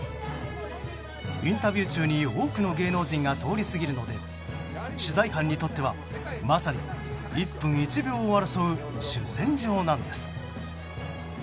インタビュー中に多くの芸能人が通り過ぎるので取材班にとってはまさに１分１秒を争う主戦場なのです。